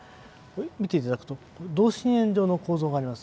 見ていただくと同心円状の構造があります。